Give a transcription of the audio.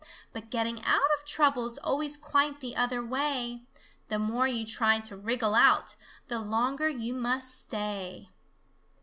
But getting out of trouble's always quite the other way The more you try to wriggle out, the longer you must stay."